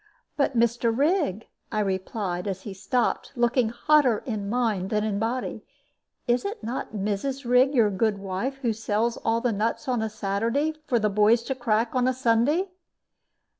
"But, Mr. Rigg," I replied, as he stopped, looking hotter in mind than in body, "is it not Mrs. Rigg, your good wife, who sells all the nuts on a Saturday for the boys to crack on a Sunday?"